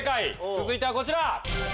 続いてはこちら。